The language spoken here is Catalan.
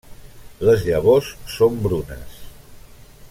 Les llavors són brunes.